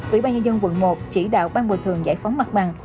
ủy ban nhân dân tp hcm chỉ đạo ban bồi thường giải phóng mặt bằng